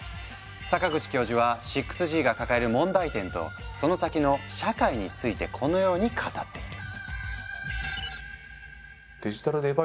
阪口教授は６Ｇが抱える問題点とその先の社会についてこのように語っている。